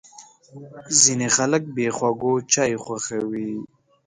ځینې خلک بې خوږو چای خوښوي.